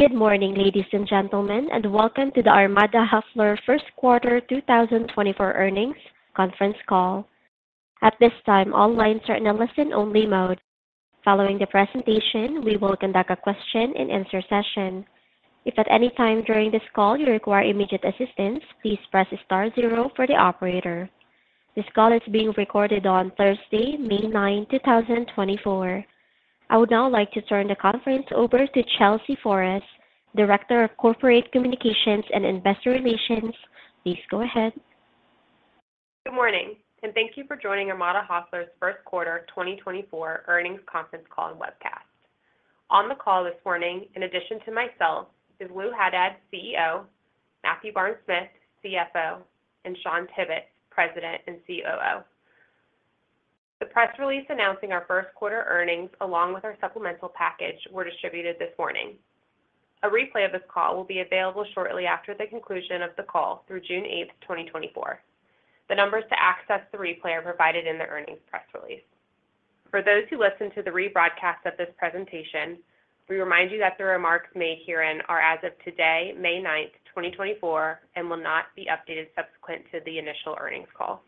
Good morning, ladies and gentlemen, and welcome to the Armada Hoffler first quarter 2024 earnings conference call. At this time, all lines are in a listen-only mode. Following the presentation, we will conduct a question-and-answer session. If at any time during this call you require immediate assistance, please press star zero for the operator. This call is being recorded on Thursday, May 9th, 2024. I would now like to turn the conference over to Chelsea Forrest, Director of Corporate Communications and Investor Relations. Please go ahead. Good morning and thank you for joining Armada Hoffler's first quarter 2024 earnings conference call and webcast. On the call this morning, in addition to myself, is Lou Haddad, CEO; Matthew Barnes-Smith, CFO; and Shawn Tibbetts, President and COO. The press release announcing our first quarter earnings along with our supplemental package were distributed this morning. A replay of this call will be available shortly after the conclusion of the call through June 8th, 2024. The numbers to access the replay are provided in the earnings press release. For those who listened to the rebroadcast of this presentation, we remind you that the remarks made herein are as of today, May 9th, 2024, and will not be updated subsequent to the initial earnings call.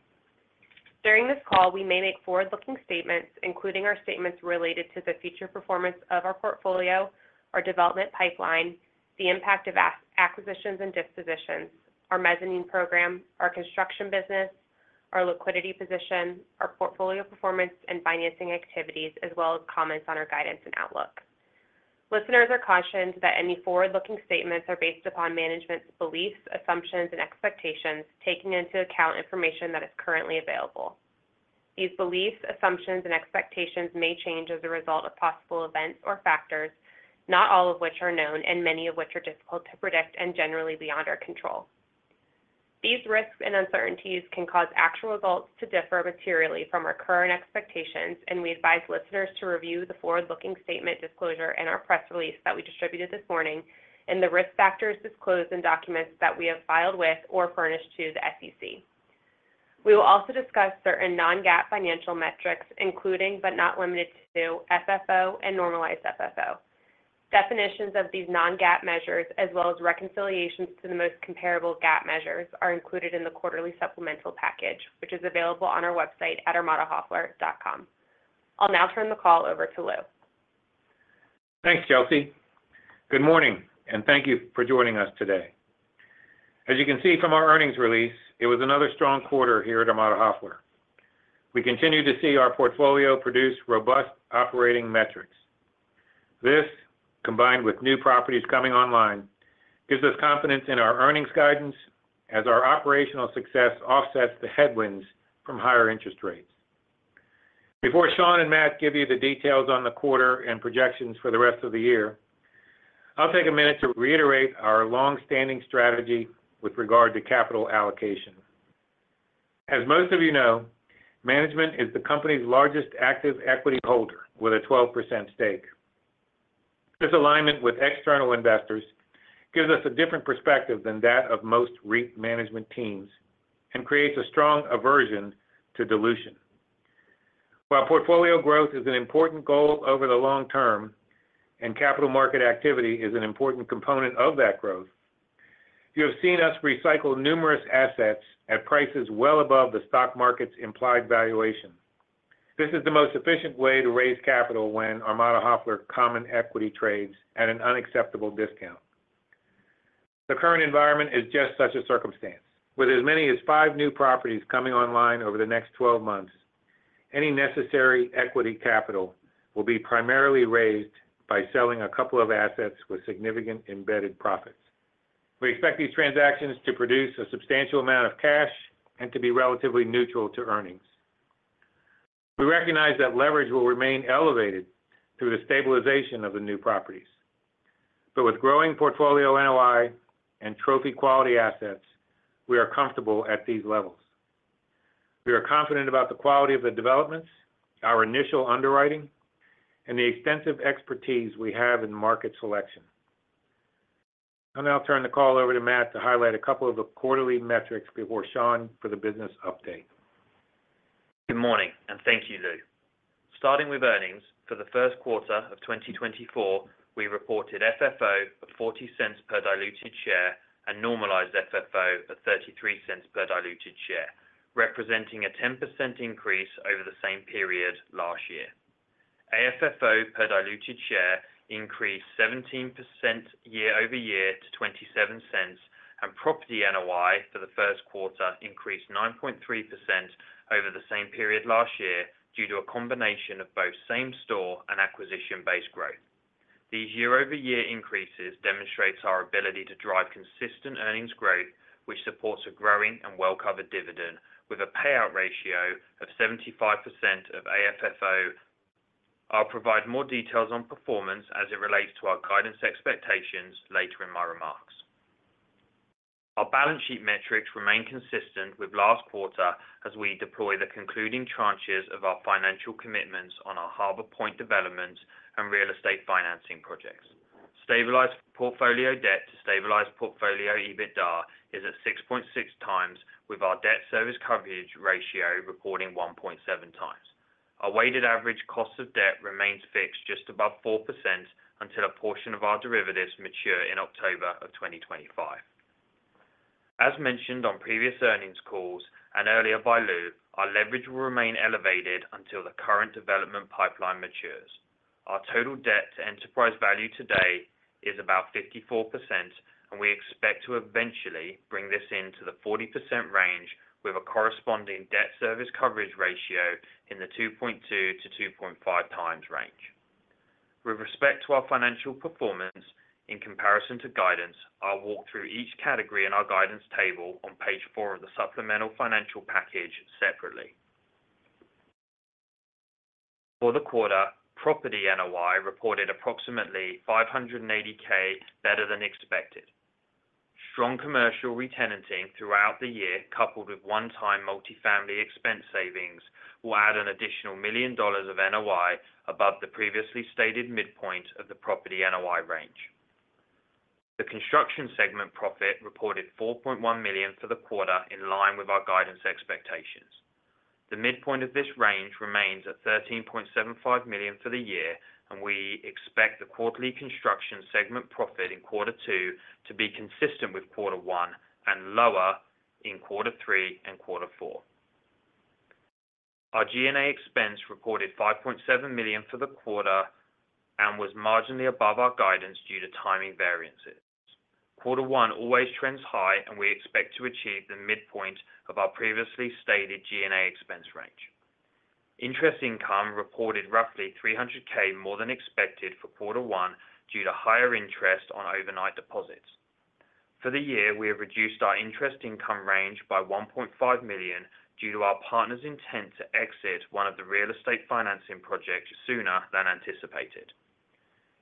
During this call, we may make forward-looking statements, including our statements related to the future performance of our portfolio, our development pipeline, the impact of acquisitions and dispositions, our mezzanine program, our construction business, our liquidity position, our portfolio performance and financing activities, as well as comments on our guidance and outlook. Listeners are cautioned that any forward-looking statements are based upon management's beliefs, assumptions, and expectations, taking into account information that is currently available. These beliefs, assumptions, and expectations may change as a result of possible events or factors, not all of which are known and many of which are difficult to predict and generally beyond our control. These risks and uncertainties can cause actual results to differ materially from our current expectations, and we advise listeners to review the forward-looking statement disclosure in our press release that we distributed this morning and the risk factors disclosed in documents that we have filed with or furnished to the SEC. We will also discuss certain non-GAAP financial metrics, including but not limited to FFO and normalized FFO. Definitions of these non-GAAP measures, as well as reconciliations to the most comparable GAAP measures, are included in the quarterly supplemental package, which is available on our website at armadahoffler.com. I'll now turn the call over to Lou. Thanks, Chelsea. Good morning, and thank you for joining us today. As you can see from our earnings release, it was another strong quarter here at Armada Hoffler. We continue to see our portfolio produce robust operating metrics. This, combined with new properties coming online, gives us confidence in our earnings guidance as our operational success offsets the headwinds from higher interest rates. Before Shawn and Matt give you the details on the quarter and projections for the rest of the year, I'll take a minute to reiterate our longstanding strategy with regard to capital allocation. As most of you know, management is the company's largest active equity holder with a 12% stake. This alignment with external investors gives us a different perspective than that of most REIT management teams and creates a strong aversion to dilution. While portfolio growth is an important goal over the long term and capital market activity is an important component of that growth, you have seen us recycle numerous assets at prices well above the stock market's implied valuation. This is the most efficient way to raise capital when Armada Hoffler common equity trades at an unacceptable discount. The current environment is just such a circumstance. With as many as five new properties coming online over the next 12 months, any necessary equity capital will be primarily raised by selling a couple of assets with significant embedded profits. We expect these transactions to produce a substantial amount of cash and to be relatively neutral to earnings. We recognize that leverage will remain elevated through the stabilization of the new properties. But with growing portfolio NOI and trophy-quality assets, we are comfortable at these levels. We are confident about the quality of the developments, our initial underwriting, and the extensive expertise we have in market selection. I'll now turn the call over to Matt to highlight a couple of the quarterly metrics before Shawn for the business update. Good morning, and thank you, Lou. Starting with earnings, for the first quarter of 2024, we reported FFO of $0.40 per diluted share and normalized FFO of $0.33 per diluted share, representing a 10% increase over the same period last year. AFFO per diluted share increased 17% year-over-year to $0.27, and property NOI for the first quarter increased 9.3% over the same period last year due to a combination of both same-store and acquisition-based growth. These year-over-year increases demonstrate our ability to drive consistent earnings growth, which supports a growing and well-covered dividend with a payout ratio of 75% of AFFO. I'll provide more details on performance as it relates to our guidance expectations later in my remarks. Our balance sheet metrics remain consistent with last quarter as we deploy the concluding tranches of our financial commitments on our Harbor Point developments and real estate financing projects. Stabilized portfolio debt to stabilized portfolio EBITDA is at 6.6x, with our debt service coverage ratio reporting 1.7x. Our weighted average cost of debt remains fixed just above 4% until a portion of our derivatives mature in October of 2025. As mentioned on previous earnings calls and earlier by Lou, our leverage will remain elevated until the current development pipeline matures. Our total debt to enterprise value today is about 54%, and we expect to eventually bring this into the 40% range with a corresponding debt service coverage ratio in the 2.2-2.5x range. With respect to our financial performance in comparison to guidance, I'll walk through each category in our guidance table on page four of the supplemental financial package separately. For the quarter, property NOI reported approximately $580,000 better than expected. Strong commercial re-tenanting throughout the year, coupled with one-time multifamily expense savings, will add an additional $1 million of NOI above the previously stated midpoint of the property NOI range. The construction segment profit reported $4.1 million for the quarter in line with our guidance expectations. The midpoint of this range remains at $13.75 million for the year, and we expect the quarterly construction segment profit in quarter two to be consistent with quarter one and lower in quarter three and quarter four. Our G&A expense reported $5.7 million for the quarter and was marginally above our guidance due to timing variances. Quarter one always trends high, and we expect to achieve the midpoint of our previously stated G&A expense range. Interest income reported roughly $300,000 more than expected for quarter one due to higher interest on overnight deposits. For the year, we have reduced our interest income range by $1.5 million due to our partner's intent to exit one of the real estate financing projects sooner than anticipated.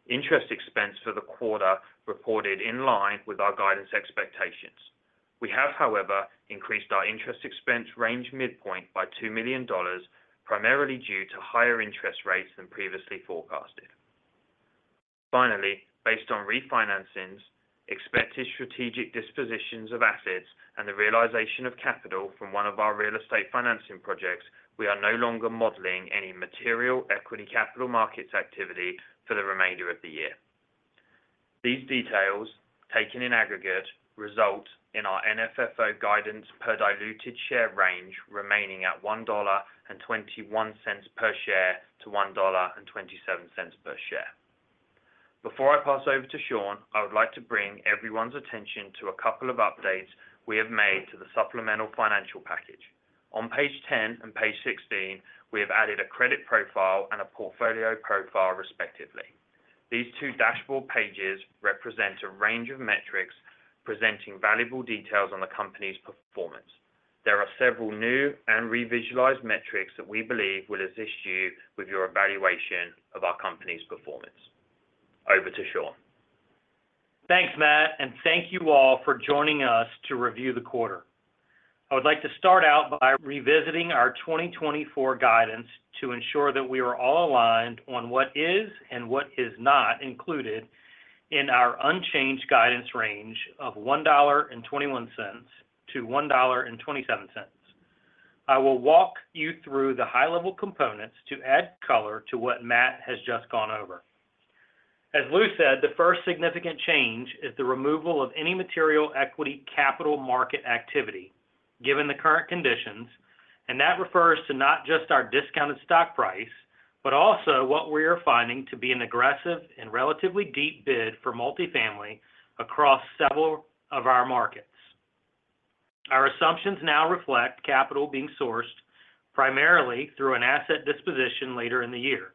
Interest expense for the quarter reported in line with our guidance expectations. We have, however, increased our interest expense range midpoint by $2 million, primarily due to higher interest rates than previously forecasted. Finally, based on refinancings, expected strategic dispositions of assets, and the realization of capital from one of our real estate financing projects, we are no longer modelling any material equity capital markets activity for the remainder of the year. These details, taken in aggregate, result in our NFFO guidance per diluted share range remaining at $1.21 per share to $1.27 per share. Before I pass over to Shawn, I would like to bring everyone's attention to a couple of updates we have made to the supplemental financial package. On page 10 and page 16, we have added a credit profile and a portfolio profile, respectively. These two dashboard pages represent a range of metrics presenting valuable details on the company's performance. There are several new and revisualized metrics that we believe will assist you with your evaluation of our company's performance. Over to Shawn. Thanks, Matt, and thank you all for joining us to review the quarter. I would like to start out by revisiting our 2024 guidance to ensure that we are all aligned on what is and what is not included in our unchanged guidance range of $1.21-$1.27. I will walk you through the high-level components to add color to what Matt has just gone over. As Lou said, the first significant change is the removal of any material equity capital market activity given the current conditions, and that refers to not just our discounted stock price but also what we are finding to be an aggressive and relatively deep bid for multifamily across several of our markets. Our assumptions now reflect capital being sourced primarily through an asset disposition later in the year.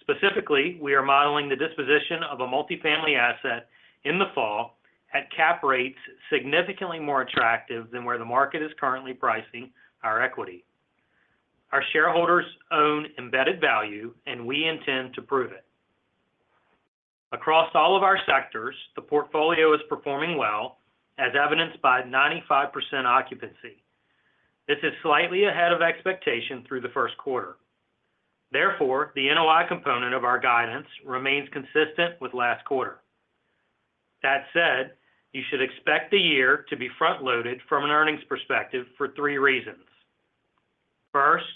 Specifically, we are modeling the disposition of a multifamily asset in the fall at cap rates significantly more attractive than where the market is currently pricing our equity. Our shareholders own embedded value, and we intend to prove it. Across all of our sectors, the portfolio is performing well, as evidenced by 95% occupancy. This is slightly ahead of expectation through the first quarter. Therefore, the NOI component of our guidance remains consistent with last quarter. That said, you should expect the year to be front-loaded from an earnings perspective for three reasons. First,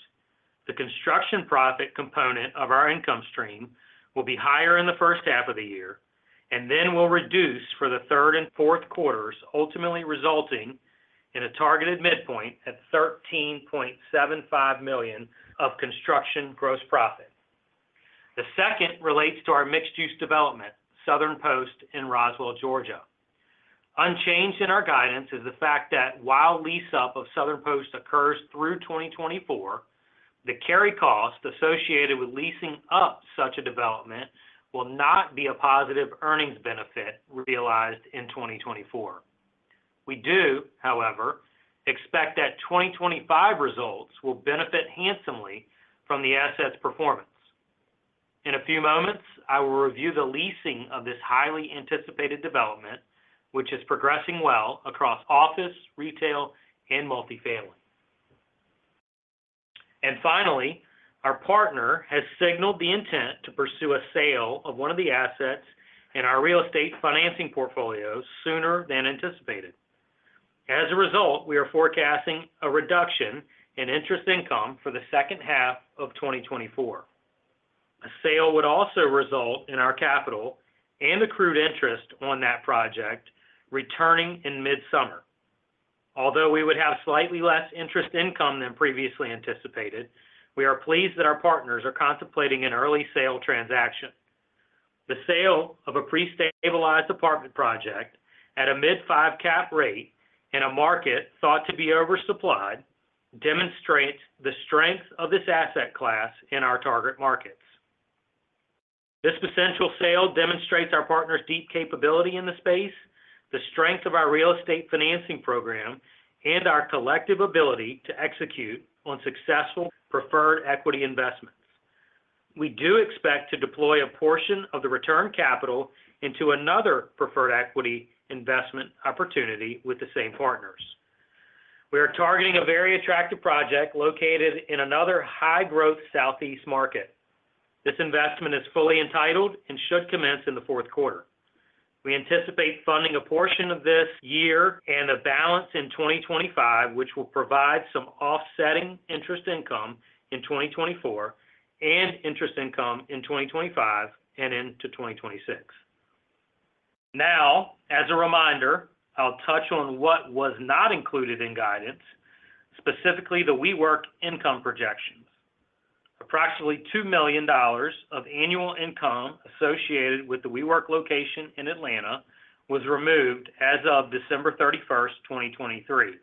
the construction profit component of our income stream will be higher in the first half of the year, and then will reduce for the third and fourth quarters, ultimately resulting in a targeted midpoint at $13.75 million of construction gross profit. The second relates to our mixed-use development, Southern Post in Roswell, Georgia. Unchanged in our guidance is the fact that while lease-up of Southern Post occurs through 2024, the carry cost associated with leasing up such a development will not be a positive earnings benefit realized in 2024. We do, however, expect that 2025 results will benefit handsomely from the asset's performance. In a few moments, I will review the leasing of this highly anticipated development, which is progressing well across office, retail, and multifamily. And finally, our partner has signaled the intent to pursue a sale of one of the assets in our real estate financing portfolios sooner than anticipated. As a result, we are forecasting a reduction in interest income for the second half of 2024. A sale would also result in our capital and accrued interest on that project returning in mid-summer. Although we would have slightly less interest income than previously anticipated, we are pleased that our partners are contemplating an early sale transaction. The sale of a pre-stabilized apartment project at a mid-5% cap rate in a market thought to be oversupplied demonstrates the strength of this asset class in our target markets. This potential sale demonstrates our partner's deep capability in the space, the strength of our real estate financing program, and our collective ability to execute on successful preferred equity investments. We do expect to deploy a portion of the return capital into another preferred equity investment opportunity with the same partners. We are targeting a very attractive project located in another high-growth Southeast market. This investment is fully entitled and should commence in the fourth quarter. We anticipate funding a portion of this year and a balance in 2025, which will provide some offsetting interest income in 2024 and interest income in 2025 and into 2026. Now, as a reminder, I'll touch on what was not included in guidance, specifically the WeWork income projections. Approximately $2 million of annual income associated with the WeWork location in Atlanta was removed as of December 31st, 2023,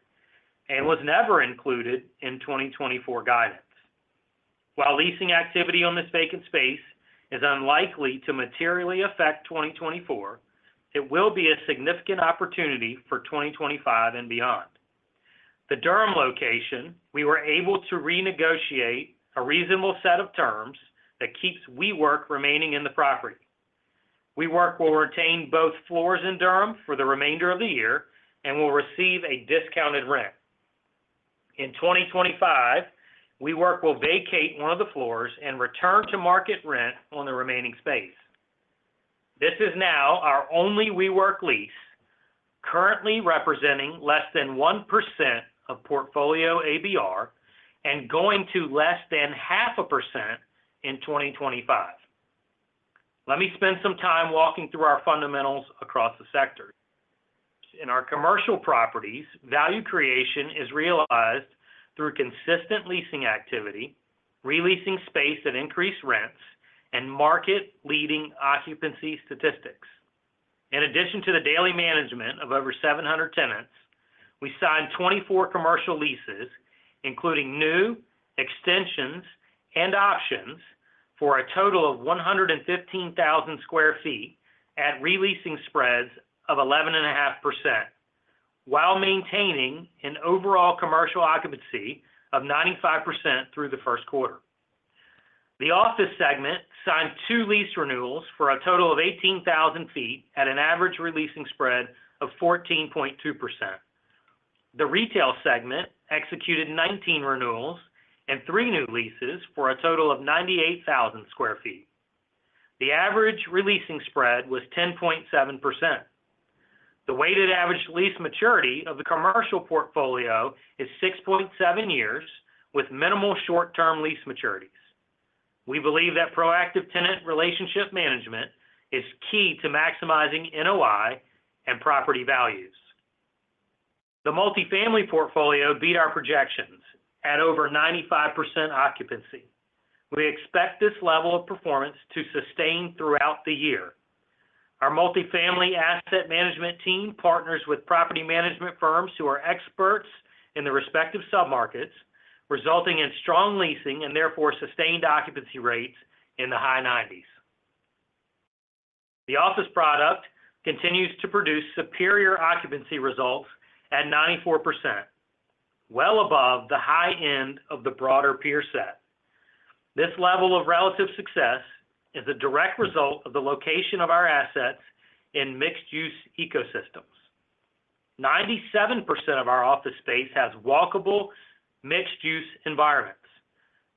and was never included in 2024 guidance. While leasing activity on this vacant space is unlikely to materially affect 2024, it will be a significant opportunity for 2025 and beyond. The Durham location, we were able to renegotiate a reasonable set of terms that keeps WeWork remaining in the property. WeWork will retain both floors in Durham for the remainder of the year and will receive a discounted rent. In 2025, WeWork will vacate one of the floors and return to market rent on the remaining space. This is now our only WeWork lease, currently representing less than 1% of portfolio ABR and going to less than 0.5% in 2025. Let me spend some time walking through our fundamentals across the sectors. In our commercial properties, value creation is realized through consistent leasing activity, releasing space at increased rents, and market-leading occupancy statistics. In addition to the daily management of over 700 tenants, we signed 24 commercial leases, including new, extensions, and options for a total of 115,000 sq ft at releasing spreads of 11.5% while maintaining an overall commercial occupancy of 95% through the first quarter. The office segment signed two lease renewals for a total of 18,000 sq ft at an average releasing spread of 14.2%. The retail segment executed 19 renewals and three new leases for a total of 98,000 sq ft. The average releasing spread was 10.7%. The weighted average lease maturity of the commercial portfolio is 6.7 years with minimal short-term lease maturities. We believe that proactive tenant relationship management is key to maximizing NOI and property values. The multifamily portfolio beat our projections at over 95% occupancy. We expect this level of performance to sustain throughout the year. Our multifamily asset management team partners with property management firms who are experts in the respective submarkets, resulting in strong leasing and therefore sustained occupancy rates in the high 90s. The office product continues to produce superior occupancy results at 94%, well above the high end of the broader peer set. This level of relative success is a direct result of the location of our assets in mixed-use ecosystems. 97% of our office space has walkable mixed-use environments.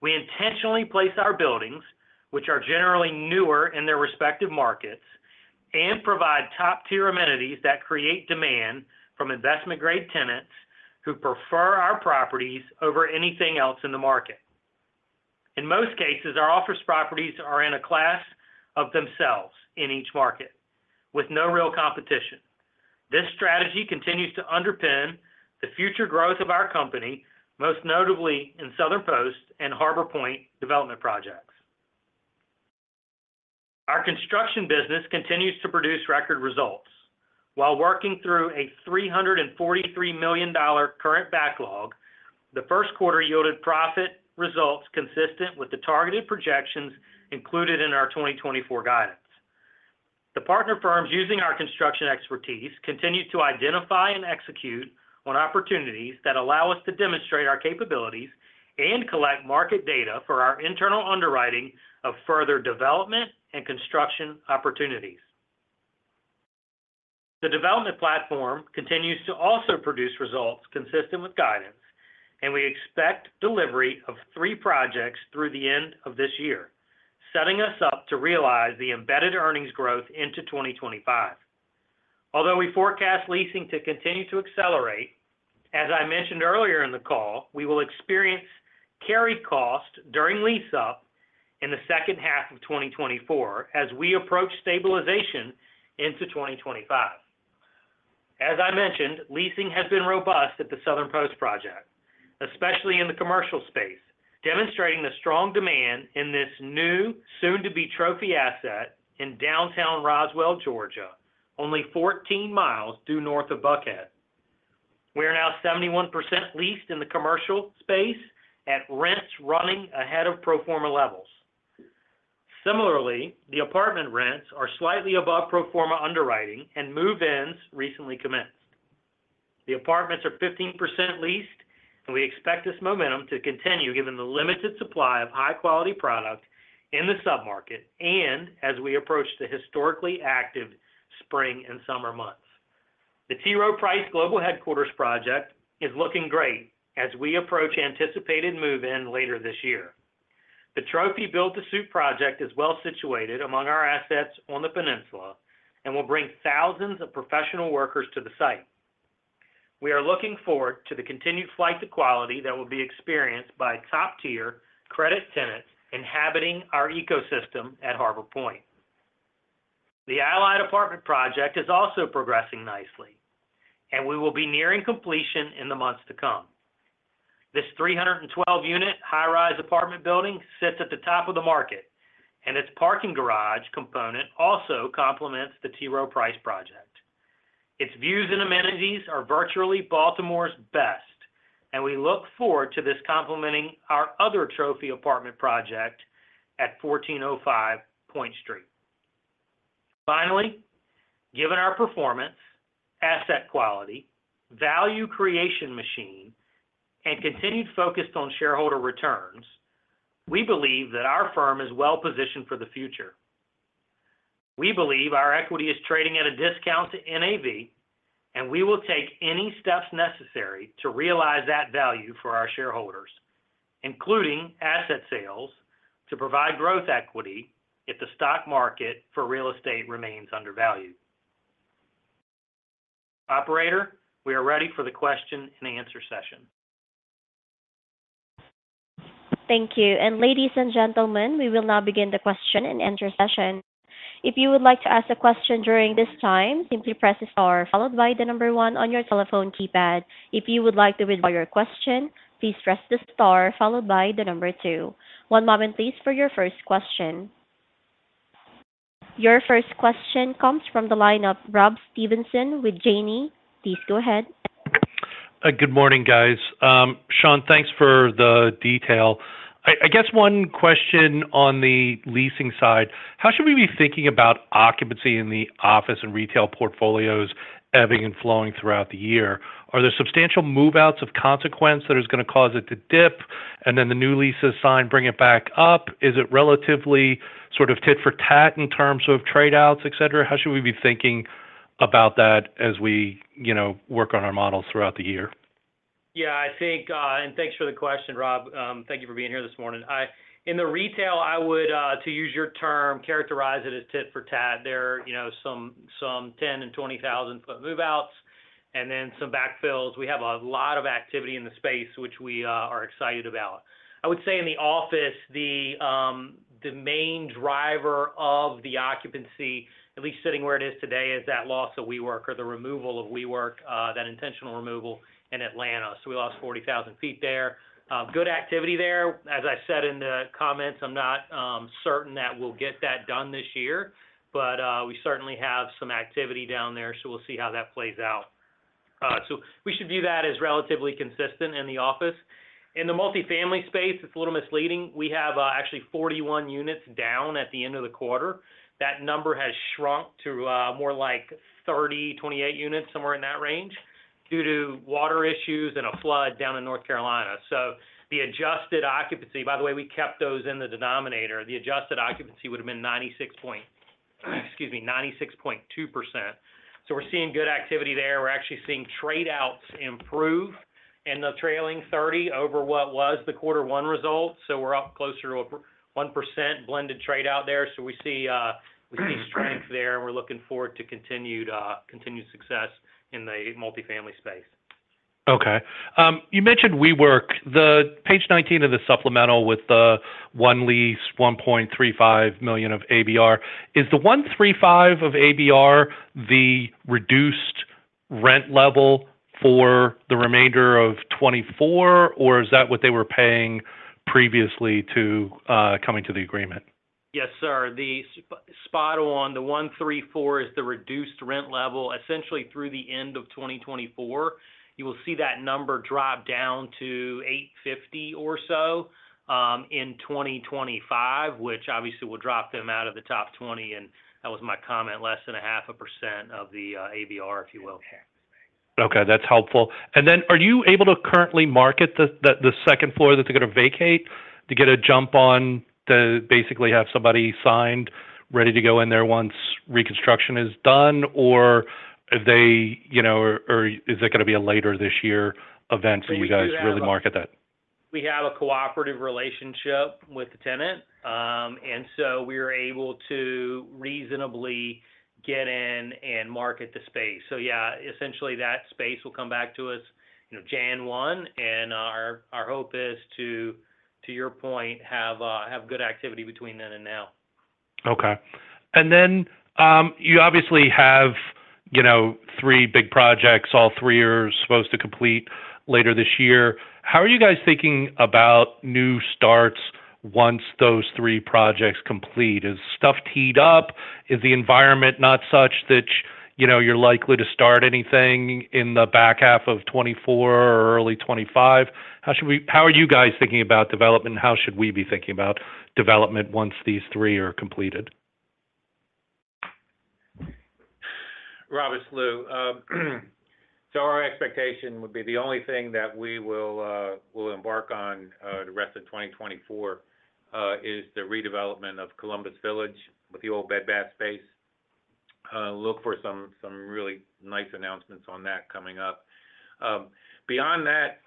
We intentionally place our buildings, which are generally newer in their respective markets, and provide top-tier amenities that create demand from investment-grade tenants who prefer our properties over anything else in the market. In most cases, our office properties are in a class of themselves in each market with no real competition. This strategy continues to underpin the future growth of our company, most notably in Southern Post and Harbor Point development projects. Our construction business continues to produce record results. While working through a $343 million current backlog, the first quarter yielded profit results consistent with the targeted projections included in our 2024 guidance. The partner firms using our construction expertise continue to identify and execute on opportunities that allow us to demonstrate our capabilities and collect market data for our internal underwriting of further development and construction opportunities. The development platform continues to also produce results consistent with guidance, and we expect delivery of three projects through the end of this year, setting us up to realize the embedded earnings growth into 2025. Although we forecast leasing to continue to accelerate, as I mentioned earlier in the call, we will experience carry cost during lease-up in the second half of 2024 as we approach stabilization into 2025. As I mentioned, leasing has been robust at the Southern Post project, especially in the commercial space, demonstrating the strong demand in this new soon-to-be trophy asset in downtown Roswell, Georgia, only 14 miles due north of Buckhead. We are now 71% leased in the commercial space at rents running ahead of pro forma levels. Similarly, the apartment rents are slightly above pro forma underwriting and move-ins recently commenced. The apartments are 15% leased, and we expect this momentum to continue given the limited supply of high-quality product in the submarket and as we approach the historically active spring and summer months. The T. Rowe Price Global Headquarters project is looking great as we approach anticipated move-in later this year. The trophy built-to-suit project is well situated among our assets on the peninsula and will bring thousands of professional workers to the site. We are looking forward to the continued flight to quality that will be experienced by top-tier credit tenants inhabiting our ecosystem at Harbor Point. The Allied Apartment project is also progressing nicely, and we will be nearing completion in the months to come. This 312-unit high-rise apartment building sits at the top of the market, and its parking garage component also complements the T. Rowe Price project. Its views and amenities are virtually Baltimore's best, and we look forward to this complementing our other trophy apartment project at 1405 Point Street. Finally, given our performance, asset quality, value creation machine, and continued focus on shareholder returns, we believe that our firm is well positioned for the future. We believe our equity is trading at a discount to NAV, and we will take any steps necessary to realize that value for our shareholders, including asset sales to provide growth equity if the stock market for real estate remains undervalued. Operator, we are ready for the question-and-answer session. Thank you. And ladies and gentlemen, we will now begin the question-and-answer session. If you would like to ask a question during this time, simply press the star followed by the number one on your telephone keypad. If you would like to withdraw your question, please press the star followed by the number two. One moment, please, for your first question. Your first question comes from the line of Rob Stevenson with Janney. Please go ahead. Good morning, guys. Shawn, thanks for the detail. I guess one question on the leasing side. How should we be thinking about occupancy in the office and retail portfolios ebbing and flowing throughout the year? Are there substantial move-outs of consequence that are going to cause it to dip, and then the new lease is signed, bring it back up? Is it relatively sort of tit for tat in terms of trade-outs, et cetera? How should we be thinking about that as we work on our models throughout the year? Yeah, I think and thanks for the question, Rob. Thank you for being here this morning. In the retail, I would, to use your term, characterize it as tit for tat. There are some 10,000- and 20,000-foot move-outs and then some backfills. We have a lot of activity in the space, which we are excited about. I would say in the office, the main driver of the occupancy, at least sitting where it is today, is that loss of WeWork or the removal of WeWork, that intentional removal, in Atlanta. So we lost 40,000 feet there. Good activity there. As I said in the comments, I'm not certain that we'll get that done this year, but we certainly have some activity down there, so we'll see how that plays out. So we should view that as relatively consistent in the office. In the multifamily space, it's a little misleading. We have actually 41 units down at the end of the quarter. That number has shrunk to more like 30, 28 units, somewhere in that range due to water issues and a flood down in North Carolina. So the adjusted occupancy by the way, we kept those in the denominator. The adjusted occupancy would have been 96.2%. So we're seeing good activity there. We're actually seeing trade-outs improve in the trailing 30 over what was the quarter one result. So we're up closer to 1% blended trade-out there. So we see strength there, and we're looking forward to continued success in the multifamily space. Okay. You mentioned WeWork. The page 19 of the supplemental with the one lease, $1.35 million of ABR. Is the $1.35 million of ABR the reduced rent level for the remainder of 2024, or is that what they were paying previously to coming to the agreement? Yes, sir. Spot on. The $1.34 million is the reduced rent level. Essentially, through the end of 2024, you will see that number drop down to $850,000 or so in 2025, which obviously will drop them out of the top 20. That was my comment: less than 0.5% of the ABR, if you will. Okay. That's helpful. And then are you able to currently market the second floor that they're going to vacate to get a jump on to basically have somebody signed ready to go in there once reconstruction is done, or is it going to be a later this year event for you guys to really market that? We have a cooperative relationship with the tenant, and so we are able to reasonably get in and market the space. So yeah, essentially, that space will come back to us January 1, and our hope is to, to your point, have good activity between then and now. Okay. And then you obviously have three big projects. All three are supposed to complete later this year. How are you guys thinking about new starts once those three projects complete? Is stuff teed up? Is the environment not such that you're likely to start anything in the back half of 2024 or early 2025? How are you guys thinking about development, and how should we be thinking about development once these three are completed? Rob, it's Lou. So our expectation would be the only thing that we will embark on the rest of 2024 is the redevelopment of Columbus Village with the old Bed Bath space. Look for some really nice announcements on that coming up. Beyond that,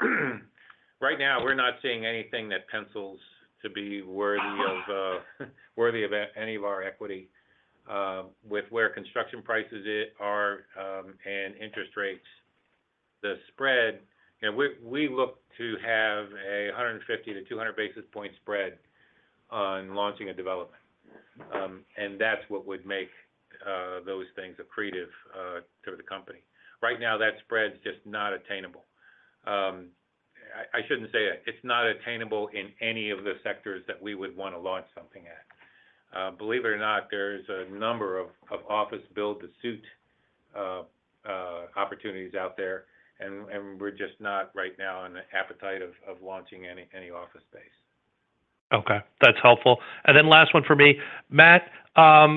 right now, we're not seeing anything that pencils to be worthy of any of our equity with where construction prices are and interest rates, the spread we look to have a 150-200 basis point spread on launching a development. And that's what would make those things accretive to the company. Right now, that spread's just not attainable. I shouldn't say that. It's not attainable in any of the sectors that we would want to launch something at. Believe it or not, there's a number of office build to suit opportunities out there, and we're just not right now in the appetite of launching any office space. Okay. That's helpful. And then last one for me. Matt, the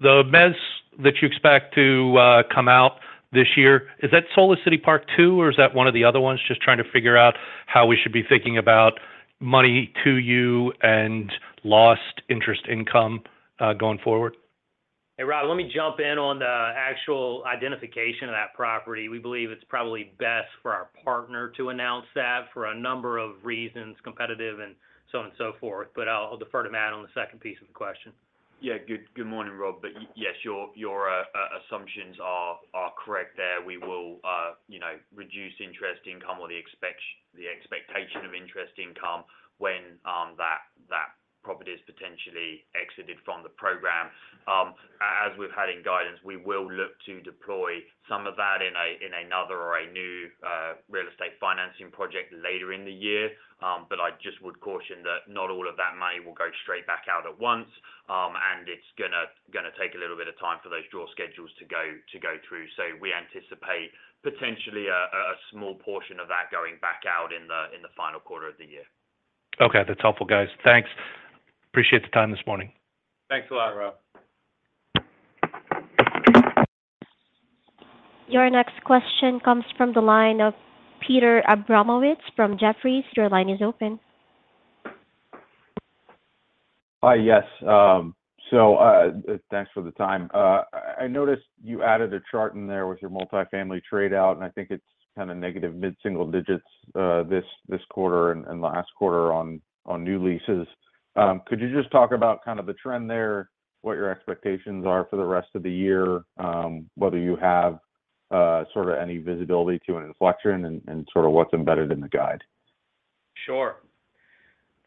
mezz that you expect to come out this year, is that Solis City Park 2, or is that one of the other ones? Just trying to figure out how we should be thinking about money to you and lost interest income going forward. Hey, Rob, let me jump in on the actual identification of that property. We believe it's probably best for our partner to announce that for a number of reasons, competitive and so on and so forth. But I'll defer to Matt on the second piece of the question. Yeah. Good morning, Rob. But yes, your assumptions are correct there. We will reduce interest income or the expectation of interest income when that property is potentially exited from the program. As we've had in guidance, we will look to deploy some of that in another or a new real estate financing project later in the year. But I just would caution that not all of that money will go straight back out at once, and it's going to take a little bit of time for those draw schedules to go through. So we anticipate potentially a small portion of that going back out in the final quarter of the year. Okay. That's helpful, guys. Thanks. Appreciate the time this morning. Thanks a lot, Rob. Your next question comes from the line of Peter Abramowitz from Jefferies. Your line is open. Hi. Yes. So thanks for the time. I noticed you added a chart in there with your multifamily trade-out, and I think it's kind of negative mid-single digits this quarter and last quarter on new leases. Could you just talk about kind of the trend there, what your expectations are for the rest of the year, whether you have sort of any visibility to an inflection, and sort of what's embedded in the guide? Sure.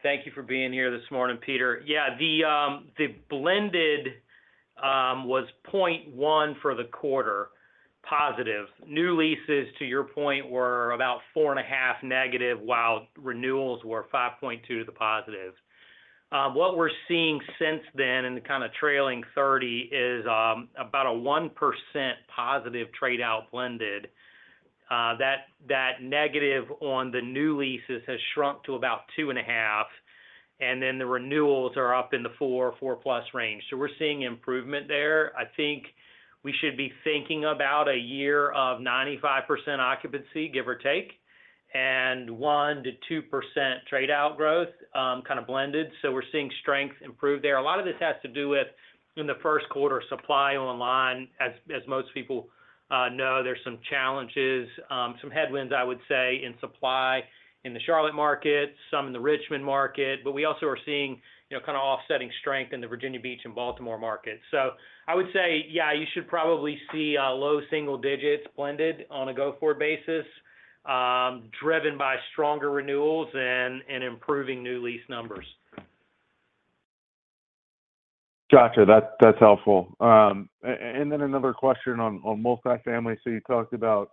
Thank you for being here this morning, Peter. Yeah, the blended was +0.1% for the quarter. New leases, to your point, were about -4.5%, while renewals were +5.2%. What we're seeing since then in the kind of trailing 30 is about a +1% positive trade-out blended. That negative on the new leases has shrunk to about -2.5%, and then the renewals are up in the 4, 4+ range. So we're seeing improvement there. I think we should be thinking about a year of 95% occupancy, give or take, and 1%-2% trade-out growth, kind of blended. So we're seeing strength improve there. A lot of this has to do with, in the first quarter, supply online. As most people know, there's some challenges, some headwinds, I would say, in supply in the Charlotte market, some in the Richmond market. But we also are seeing kind of offsetting strength in the Virginia Beach and Baltimore markets. So I would say, yeah, you should probably see low single digits blended on a go-forward basis, driven by stronger renewals and improving new lease numbers. Got you. That's helpful. And then another question on multifamily. So you talked about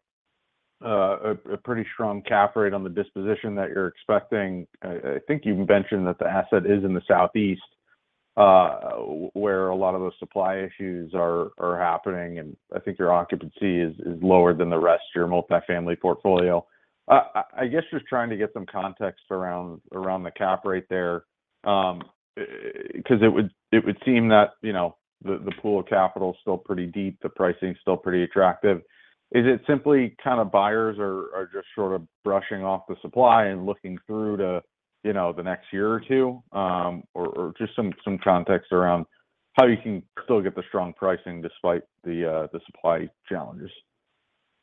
a pretty strong cap rate on the disposition that you're expecting. I think you mentioned that the asset is in the Southeast where a lot of those supply issues are happening, and I think your occupancy is lower than the rest of your multifamily portfolio. I guess just trying to get some context around the cap rate there because it would seem that the pool of capital is still pretty deep, the pricing is still pretty attractive. Is it simply kind of buyers are just sort of brushing off the supply and looking through to the next year or two? Or just some context around how you can still get the strong pricing despite the supply challenges?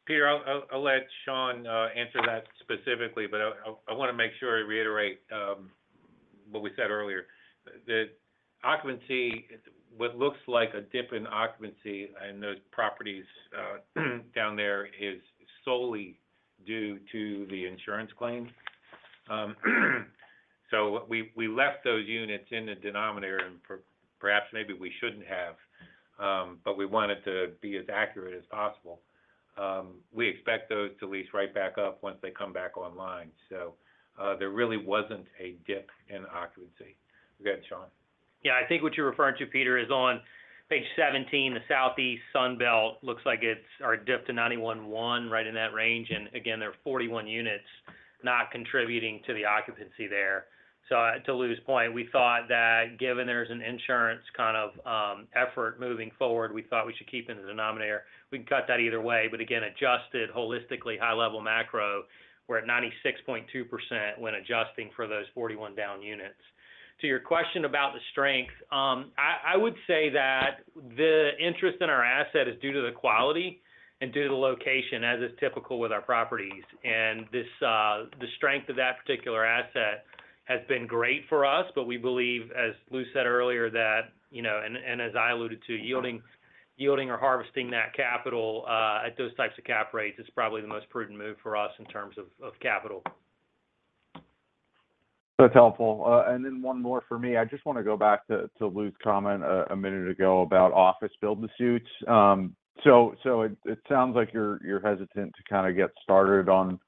Peter, I'll let Shawn answer that specifically, but I want to make sure I reiterate what we said earlier. What looks like a dip in occupancy in those properties down there is solely due to the insurance claim. So we left those units in the denominator, and perhaps maybe we shouldn't have, but we wanted to be as accurate as possible. We expect those to lease right back up once they come back online. So there really wasn't a dip in occupancy. Go ahead, Shawn. Yeah. I think what you're referring to, Peter, is on page 17, the Southeast Sunbelt. Looks like it's our dip to 91.1%, right in that range. And again, there are 41 units not contributing to the occupancy there. So to Lou's point, we thought that given there's an insurance kind of effort moving forward, we thought we should keep it in the denominator. We can cut that either way. But again, adjusted holistically, high-level macro, we're at 96.2% when adjusting for those 41 down units. To your question about the strength, I would say that the interest in our asset is due to the quality and due to the location, as is typical with our properties. The strength of that particular asset has been great for us, but we believe, as Lou said earlier, that and as I alluded to, yielding or harvesting that capital at those types of cap rates is probably the most prudent move for us in terms of capital. That's helpful. Then one more for me. I just want to go back to Lou's comment a minute ago about office build to suit. So it sounds like you're hesitant to kind of get started on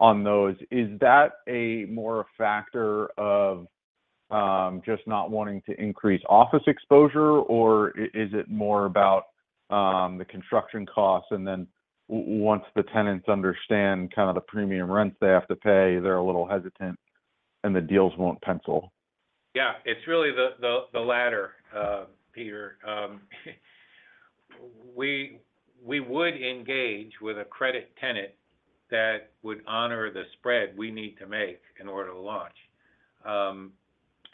those. Is that more a factor of just not wanting to increase office exposure, or is it more about the construction costs? And then once the tenants understand kind of the premium rents they have to pay, they're a little hesitant, and the deals won't pencil? Yeah. It's really the latter, Peter. We would engage with a credit tenant that would honor the spread we need to make in order to launch.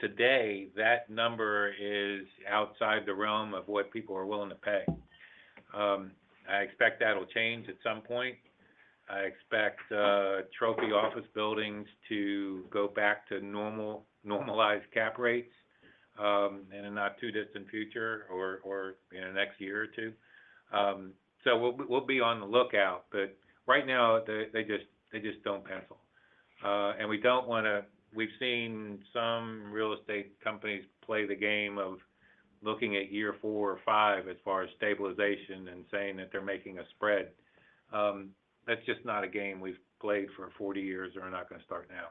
Today, that number is outside the realm of what people are willing to pay. I expect that'll change at some point. I expect trophy office buildings to go back to normalized cap rates in a not-too-distant future or in the next year or two. So we'll be on the lookout. But right now, they just don't pencil. And we don't want to. We've seen some real estate companies play the game of looking at year four or five as far as stabilization and saying that they're making a spread. That's just not a game we've played for 40 years. They're not going to start now.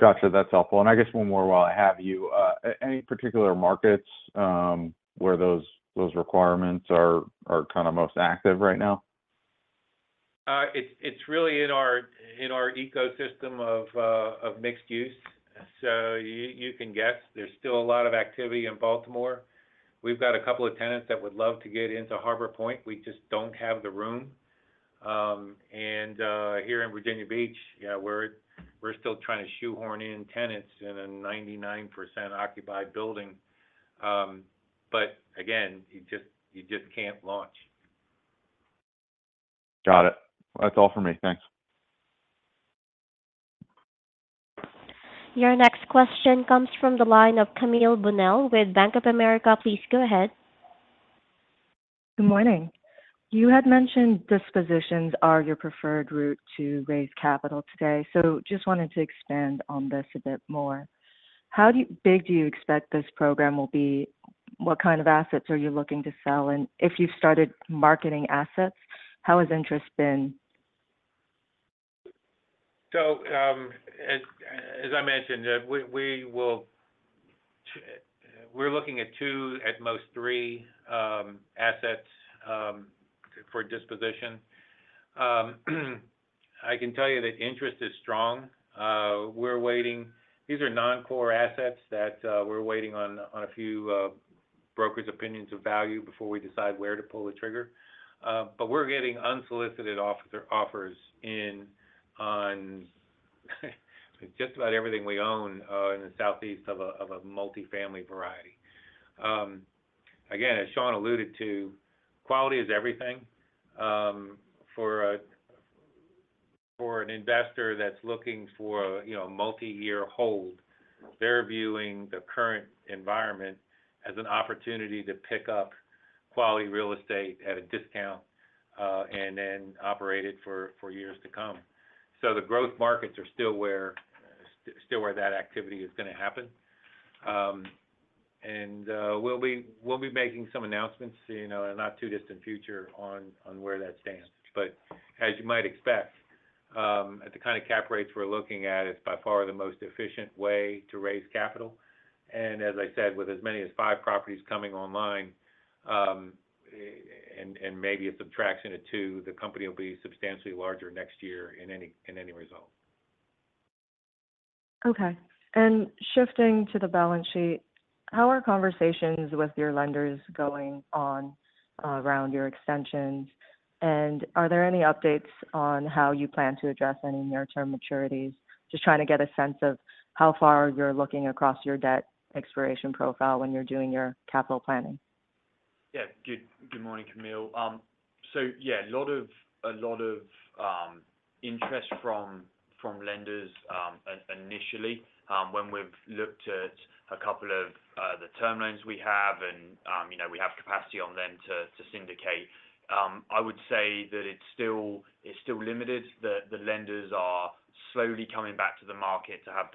Got you. That's helpful. And I guess one more while I have you. Any particular markets where those requirements are kind of most active right now? It's really in our ecosystem of mixed use. So you can guess. There's still a lot of activity in Baltimore. We've got a couple of tenants that would love to get into Harbor Point. We just don't have the room. And here in Virginia Beach, yeah, we're still trying to shoehorn in tenants in a 99% occupied building. But again, you just can't launch. Got it. That's all for me. Thanks. Your next question comes from the line of Camille Bonnel with Bank of America. Please go ahead. Good morning. You had mentioned dispositions are your preferred route to raise capital today. So just wanted to expand on this a bit more. How big do you expect this program will be? What kind of assets are you looking to sell? And if you've started marketing assets, how has interest been? As I mentioned, we're looking at two at most three, assets for disposition. I can tell you that interest is strong. These are non-core assets that we're waiting on a few brokers' opinions of value before we decide where to pull the trigger. But we're getting unsolicited offers on just about everything we own in the Southeast of a multifamily variety. Again, as Shawn alluded to, quality is everything. For an investor that's looking for a multi-year hold, they're viewing the current environment as an opportunity to pick up quality real estate at a discount and then operate it for years to come. The growth markets are still where that activity is going to happen. We'll be making some announcements in a not-too-distant future on where that stands. But as you might expect, at the kind of cap rates we're looking at, it's by far the most efficient way to raise capital. And as I said, with as many as five properties coming online and maybe a subtraction of two, the company will be substantially larger next year in any result. Okay. And shifting to the balance sheet, how are conversations with your lenders going around your extensions? And are there any updates on how you plan to address any near-term maturities? Just trying to get a sense of how far you're looking across your debt expiration profile when you're doing your capital planning. Yeah. Good morning, Camille. So yeah, a lot of interest from lenders initially when we've looked at a couple of the term loans we have, and we have capacity on them to syndicate. I would say that it's still limited. The lenders are slowly coming back to the market to have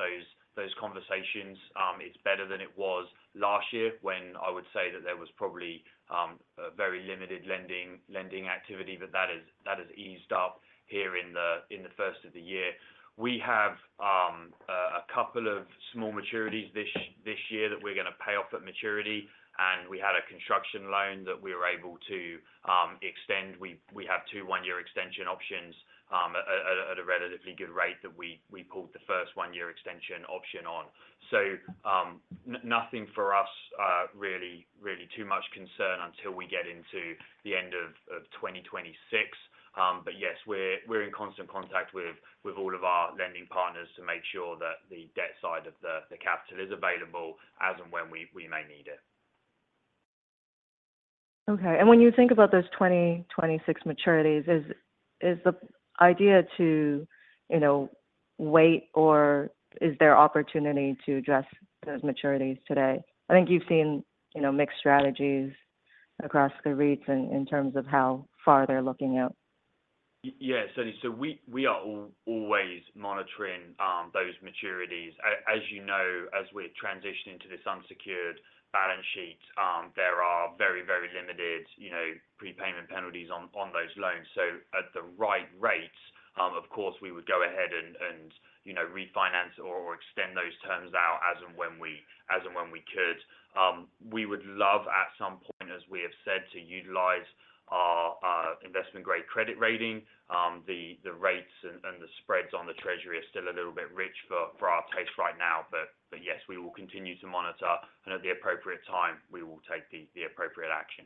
those conversations. It's better than it was last year when I would say that there was probably very limited lending activity, but that has eased up here in the first of the year. We have a couple of small maturities this year that we're going to pay off at maturity. We had a construction loan that we were able to extend. We have 2 one-year extension options at a relatively good rate that we pulled the first one-year extension option on. Nothing for us really too much concern until we get into the end of 2026. Yes, we're in constant contact with all of our lending partners to make sure that the debt side of the capital is available as and when we may need it. Okay. And when you think about those 2026 maturities, is the idea to wait, or is there opportunity to address those maturities today? I think you've seen mixed strategies across the REITs in terms of how far they're looking out. Yeah. Certainly. So we are always monitoring those maturities. As you know, as we're transitioning to this unsecured balance sheet, there are very, very limited prepayment penalties on those loans. So at the right rates, of course, we would go ahead and refinance or extend those terms out as and when we could. We would love, at some point, as we have said, to utilize our investment-grade credit rating. The rates and the spreads on the treasury are still a little bit rich for our taste right now. But yes, we will continue to monitor, and at the appropriate time, we will take the appropriate action.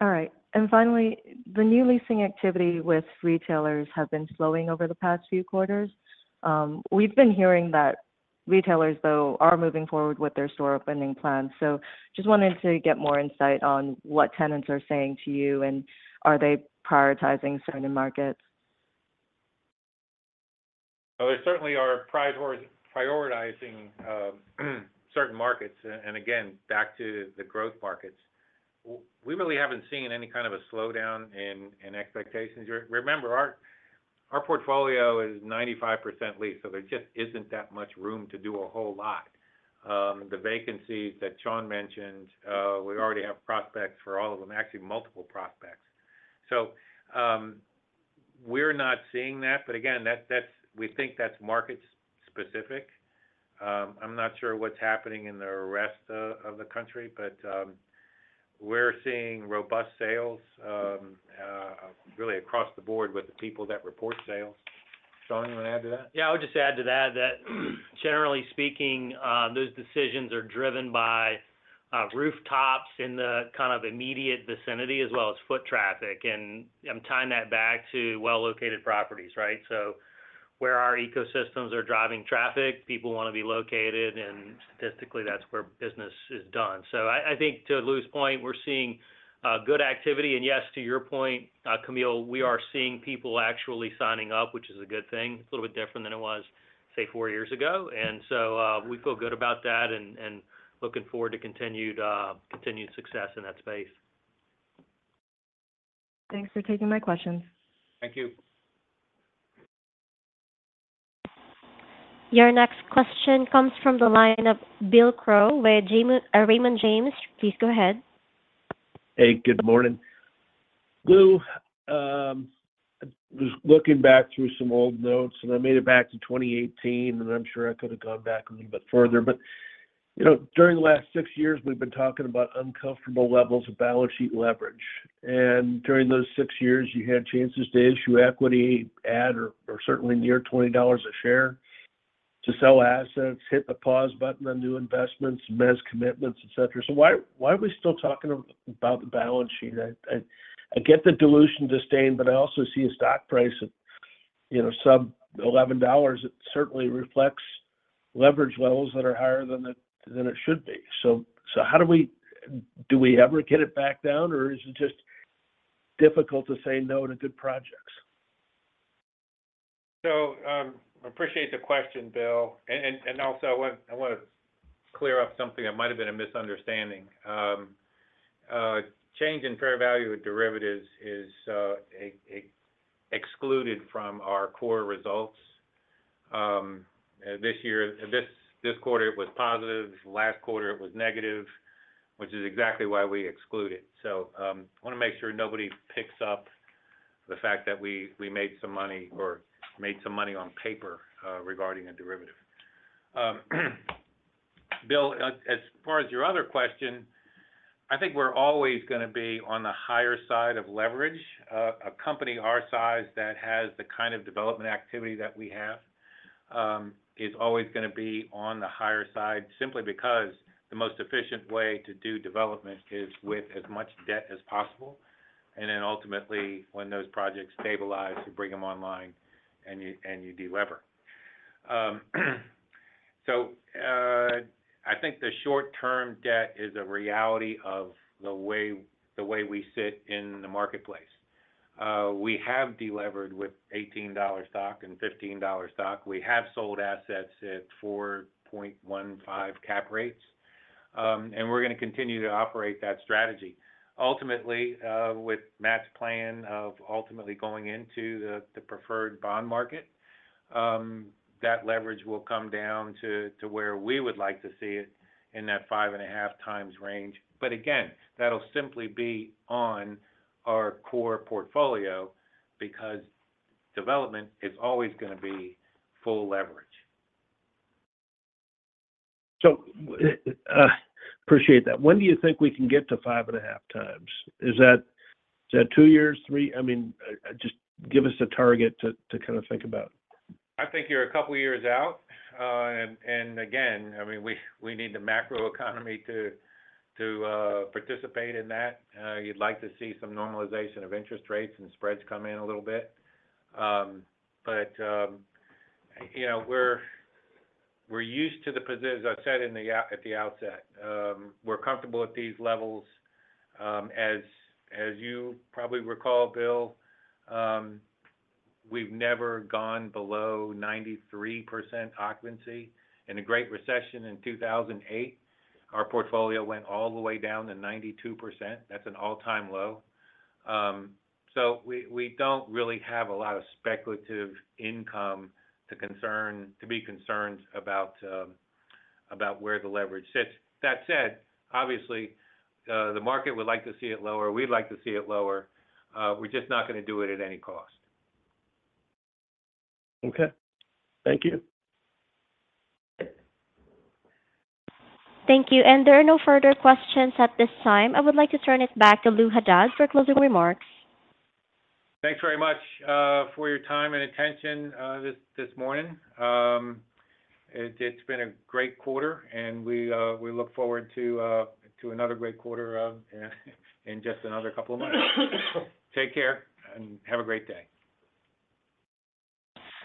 All right. And finally, the new leasing activity with retailers has been slowing over the past few quarters. We've been hearing that retailers, though, are moving forward with their store-opening plans. So just wanted to get more insight on what tenants are saying to you, and are they prioritizing certain markets? Oh, they certainly are prioritizing certain markets. And again, back to the growth markets, we really haven't seen any kind of a slowdown in expectations. Remember, our portfolio is 95% leased, so there just isn't that much room to do a whole lot. The vacancies that Shawn mentioned, we already have prospects for all of them, actually multiple prospects. So we're not seeing that. But again, we think that's market-specific. I'm not sure what's happening in the rest of the country, but we're seeing robust sales really across the board with the people that report sales. Shawn, you want to add to that? Yeah. I'll just add to that that, generally speaking, those decisions are driven by rooftops in the kind of immediate vicinity as well as foot traffic. And I'm tying that back to well-located properties, right? So where our ecosystems are driving traffic, people want to be located, and statistically, that's where business is done. So I think, to Lou's point, we're seeing good activity. And yes, to your point, Camille, we are seeing people actually signing up, which is a good thing. It's a little bit different than it was, say, four years ago. And so we feel good about that and looking forward to continued success in that space. Thanks for taking my questions. Thank you. Your next question comes from the line of Bill Crow at Raymond James. Please go ahead. Hey. Good morning. Lou, I was looking back through some old notes, and I made it back to 2018, and I'm sure I could have gone back a little bit further. But during the last six years, we've been talking about uncomfortable levels of balance sheet leverage. And during those six years, you had chances to issue equity, add, or certainly near $20 a share to sell assets, hit the pause button on new investments, mezz commitments, etc. So why are we still talking about the balance sheet? I get the dilution disdain, but I also see a stock price at sub-$11. It certainly reflects leverage levels that are higher than it should be. So do we ever get it back down, or is it just difficult to say no to good projects? So I appreciate the question, Bill. And also, I want to clear up something that might have been a misunderstanding. Change in fair value of derivatives is excluded from our core results. This quarter, it was positive. Last quarter, it was negative, which is exactly why we exclude it. So I want to make sure nobody picks up the fact that we made some money or made some money on paper regarding a derivative. Bill, as far as your other question, I think we're always going to be on the higher side of leverage. A company our size that has the kind of development activity that we have is always going to be on the higher side simply because the most efficient way to do development is with as much debt as possible. And then ultimately, when those projects stabilize, you bring them online, and you de-lever. So I think the short-term debt is a reality of the way we sit in the marketplace. We have de-levered with $18 stock and $15 stock. We have sold assets at 4.15 cap rates, and we're going to continue to operate that strategy. Ultimately, with Matt's plan of ultimately going into the preferred bond market, that leverage will come down to where we would like to see it in that 5.5x range. But again, that'll simply be on our core portfolio because development is always going to be full leverage. So I appreciate that. When do you think we can get to 5.5x? Is that two years, three? I mean, just give us a target to kind of think about. I think you're a couple of years out. And again, I mean, we need the macroeconomy to participate in that. You'd like to see some normalization of interest rates and spreads come in a little bit. But we're used to the, as I said, at the outset. We're comfortable at these levels. As you probably recall, Bill, we've never gone below 93% occupancy. In a great recession in 2008, our portfolio went all the way down to 92%. That's an all-time low. So we don't really have a lot of speculative income to be concerned about where the leverage sits. That said, obviously, the market would like to see it lower. We'd like to see it lower. We're just not going to do it at any cost. Okay. Thank you. Thank you. There are no further questions at this time. I would like to turn it back to Lou Haddad for closing remarks. Thanks very much for your time and attention this morning. It's been a great quarter, and we look forward to another great quarter in just another couple of months. Take care and have a great day.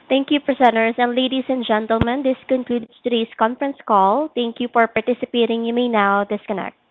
Thank you, presenters. And ladies and gentlemen, this concludes today's conference call. Thank you for participating. You may now disconnect.